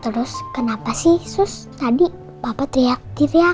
terus kenapa sih sus tadi papa teriak teriak